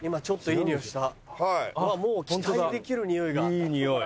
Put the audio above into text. いいにおい。